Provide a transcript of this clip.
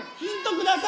ください